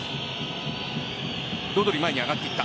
ロドリ、前に上がっていった。